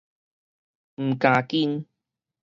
毋咬根